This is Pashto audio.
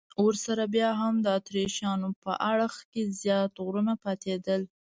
ورسره بیا هم د اتریشیانو په اړخ کې زیات غرونه پاتېدل.